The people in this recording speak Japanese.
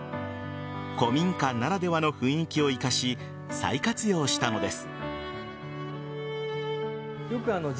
古民家ならではの雰囲気を生かし再活用したのです。